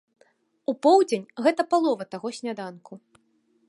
У поўдзень гэта палова таго сняданку.